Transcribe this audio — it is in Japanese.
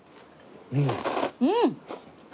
うん！